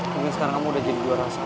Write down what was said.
mungkin sekarang kamu udah jadi juara satu